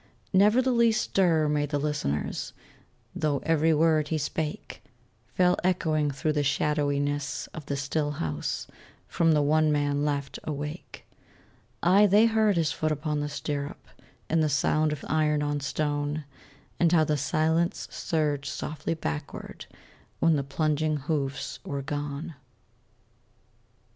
Never the least stir made the listeners, Though every word he spake Fell echoing through the shadowiness of the still house From the one man left awake: Aye, they heard his foot upon the stirrup, And the sound of iron on stone, And how the silence surged softly backward, When the plunging hoofs were gone.